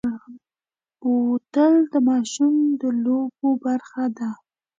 بوتل د ماشوم د لوبو برخه ده.